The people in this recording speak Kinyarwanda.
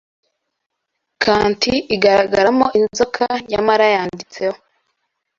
Kanti igararamo inzoka nyamara yanditseho